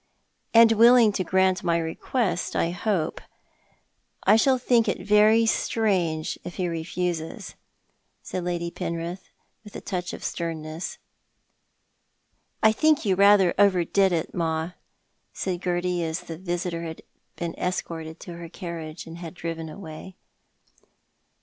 "And willing to grant my request, I hope. I shall think it very strange if he refuses," said Lady Penrith, with a touch of sternness. " I think you rather overdid it, ma," said Gerty, when the visitor had been escorted to her carriage, and had driven away.